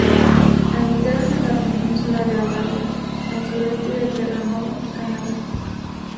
Habitaron en la península de Avalon al sureste de Terranova, Canadá.